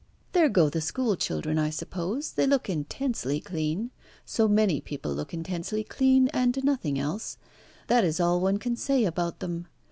There go the school children, I suppose. They look intensely clean. So many people look intensely clean, and nothing else. That is all one can say about them.